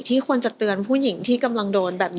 ควรจะเตือนผู้หญิงที่กำลังโดนแบบนี้